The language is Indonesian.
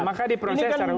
maka diproses secara hukum